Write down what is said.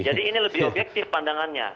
jadi ini lebih objektif pandangannya